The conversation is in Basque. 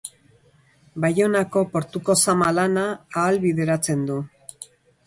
Baionako portuko zama-lana ahalbideratzen du.